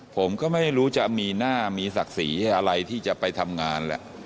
ผมก็ไม่รู้จะมีหน้ามีศักดิ์ศรีอะไรที่จะไปทำงานแหละ